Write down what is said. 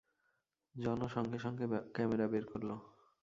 জন সঙ্গে সঙ্গে ক্যামেরা বের করলো।